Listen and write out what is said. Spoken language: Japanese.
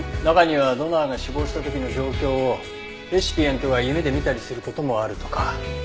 中にはドナーが死亡した時の状況をレシピエントが夢で見たりする事もあるとか。